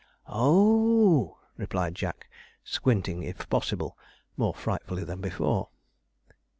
'O o o,' replied Jack, squinting, if possible, more frightfully than before.